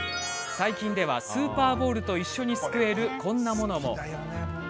最近では、スーパーボールと一緒にすくえる、こんなものも。